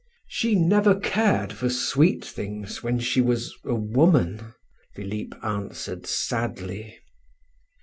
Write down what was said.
"She never cared for sweet things when she was a woman," Philip answered sadly.